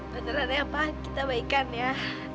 beneran ya pak kita baikan ya